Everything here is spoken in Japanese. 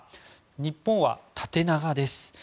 日本は縦長です。